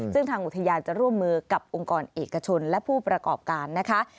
ซึ่งทางอุทยานจะร่วมมือกับองค์กรเอกชนและผู้ประกอบการนะคะ